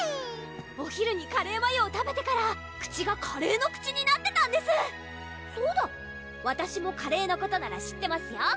お昼にカレーマヨを食べてから口がカレーの口になってたんですそうだわたしもカレーのことなら知ってますよ！